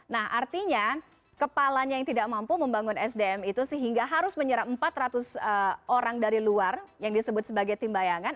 nah artinya kepalanya yang tidak mampu membangun sdm itu sehingga harus menyerap empat ratus orang dari luar yang disebut sebagai tim bayangan